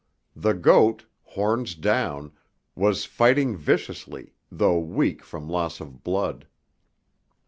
The goat, horns down, was fighting viciously, though weak from loss of blood.